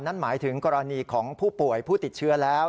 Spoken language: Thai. นั่นหมายถึงกรณีของผู้ป่วยผู้ติดเชื้อแล้ว